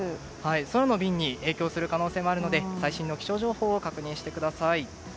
空の便に影響する可能性もあるので最新の気象情報を確認してください。